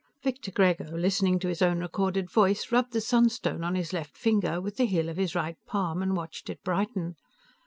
Victor Grego, listening to his own recorded voice, rubbed the sunstone on his left finger with the heel of his right palm and watched it brighten.